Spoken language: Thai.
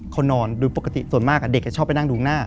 นอนโดยปกติส่วนมากเด็กจะชอบไปนั่งดูหน้า